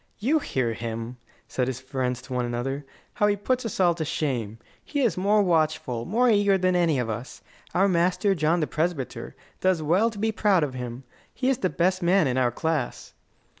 "You hear him!" said his friends one to another. "How he puts us all to shame! He is more watchful, more eager, than any of us. Our master, John the Presbyter, does well to be proud of him. He is the best man in our class."